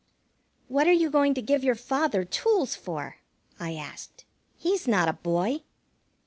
"What are you going to give your father tools for?" I asked. "He's not a boy."